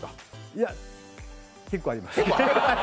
いや結構あります。